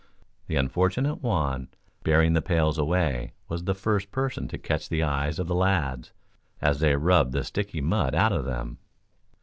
The unfortunate Juan, bearing the pails away, was the first person to catch the eyes of the lads, as they rubbed the sticky mud out of them.